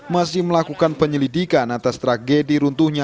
masih melakukan penyelidikan atas tragedi runtuhnya